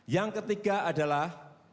yang ketiga adalah